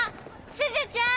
すずちゃん！